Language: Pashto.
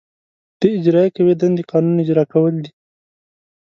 د اجرائیه قوې دندې قانون اجرا کول دي.